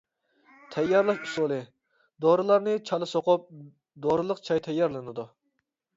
تەييارلاش ئۇسۇلى: دورىلارنى چالا سوقۇپ، دورىلىق چاي تەييارلىنىدۇ.